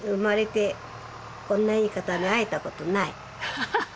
ハハハハ！